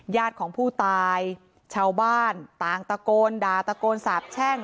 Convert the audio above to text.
ญาติของผู้ตายชาวบ้านต่างตะโกนด่าตะโกนสาบแช่ง